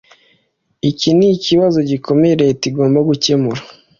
Iki ni ikibazo gikomeye Leta igomba gukemura